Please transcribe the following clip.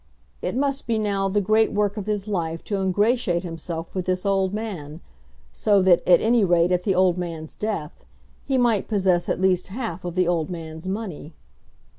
It must be now the great work of his life to ingratiate himself with this old man, so that, at any rate at the old man's death, he might possess at least half of the old man's money.